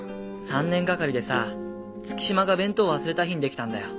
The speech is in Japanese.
３年がかりでさ月島が弁当を忘れた日に出来たんだよ。